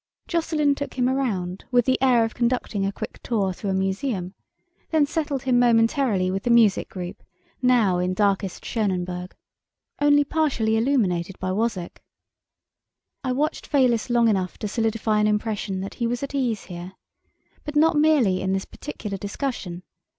Jocelyn took him around with the air of conducting a quick tour through a museum, then settled him momentarily with the music group, now in darkest Schoenberg, only partially illuminated by "Wozzek". I watched Fayliss long enough to solidify an impression that he was at ease here but not merely in this particular discussion.